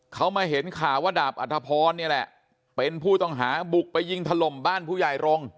เขามาเห็นข่าวว่าดาบอัธพรนี่แหละเป็นผู้ต้องหาบุกไปยิงถล่มบ้านผู้ใหญ่รงค์